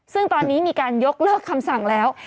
ซึ่งตอนนี้มีการยกเลิกคำสั่งแล้ว